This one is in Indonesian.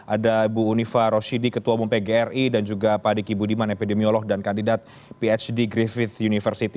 ada bu unifah roshidi ketua bumpe gri dan juga pak adiki budiman epidemiolog dan kandidat phd griffith university